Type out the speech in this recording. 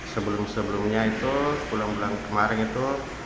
sebelum sebelumnya itu pulang pulang kemarin itu